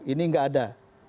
ini nggak ada